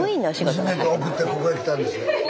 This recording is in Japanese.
娘送ってここへ来たんですよ。